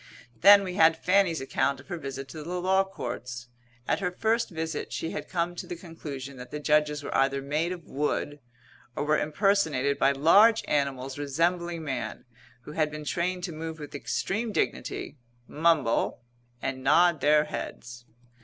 Then we had Fanny's account of her visit to the Law Courts. At her first visit she had come to the conclusion that the Judges were either made of wood or were impersonated by large animals resembling man who had been trained to move with extreme dignity, mumble and nod their heads.